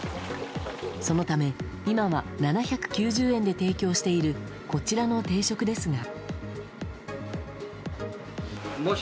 そのため今は７９０円で提供しているこちらの定食ですが。